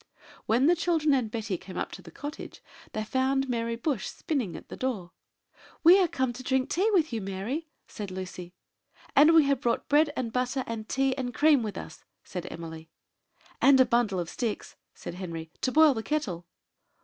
When the children and Betty came up to the cottage, they found Mary Bush spinning at the door. "We are come to drink tea with you, Mary," said Lucy. "And we have brought bread and butter, and tea and cream with us," said Emily. "And a bundle of sticks," said Henry, "to boil the kettle."